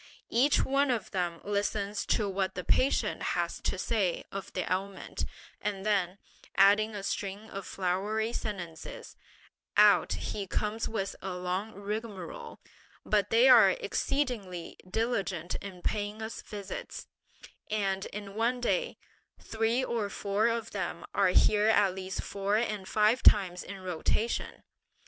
Each one of them listens to what the patient has to say of the ailment, and then, adding a string of flowery sentences, out he comes with a long rigmarole; but they are exceedingly diligent in paying us visits; and in one day, three or four of them are here at least four and five times in rotation!